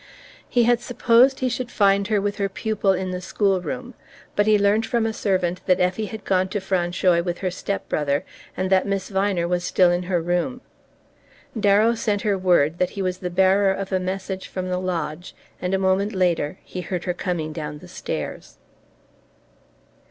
He had supposed he should find her with her pupil in the school room; but he learned from a servant that Effie had gone to Francheuil with her step brother, and that Miss Viner was still in her room. Darrow sent her word that he was the bearer of a message from the lodge, and a moment later he heard her coming down the stairs.